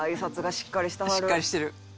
「しっかりしてる」